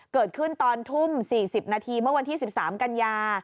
เกิดขึ้นตอนทุ่ม๔๐นาทีเมื่อวันที่๑๓กันยา